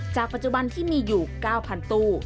ปัจจุบันที่มีอยู่๙๐๐ตู้